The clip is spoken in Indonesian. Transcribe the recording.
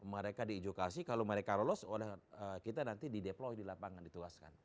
mereka diedukasi kalau mereka lolos kita nanti di deploy di lapangan dituaskan